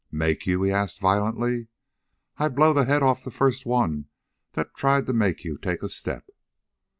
"Make you?" he asked violently. "I'd blow the head off the first one that tried to make you take a step."